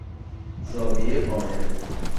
زاویهی قائمه